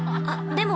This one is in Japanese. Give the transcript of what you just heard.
でも◆